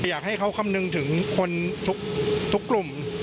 อยากให้เขาคำนึงถึงคนทุกกลุ่ม